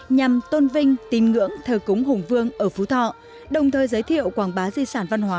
nhằm tôn vinh tín ngưỡng thờ cúng hùng vương ở phú thọ đồng thời giới thiệu quảng bá di sản văn hóa